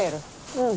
うん。